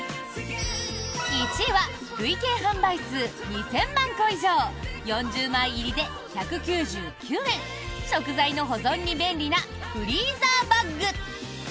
１位は累計販売数２０００万個以上４０枚入りで１９９円食材の保存に便利なフリーザーバッグ。